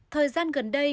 thời gian gần đây